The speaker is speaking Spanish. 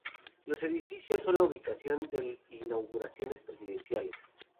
Los edificios son la ubicación de inauguraciones presidenciales.